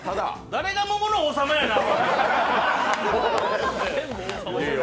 誰が桃の王様やねん！